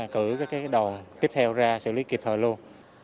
cử cái đòn tiếp theo ra xử lý kịp thời luôn